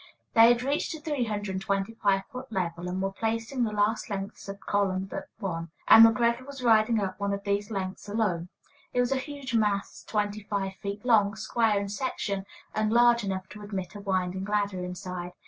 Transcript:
They had reached the 325 foot level, and were placing the last lengths of column but one, and McGreggor was riding up one of these lengths alone. It was a huge mass twenty five feet long, square in section, and large enough to admit a winding ladder inside.